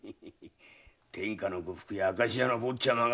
天下の呉服屋・明石屋の坊ちゃまが。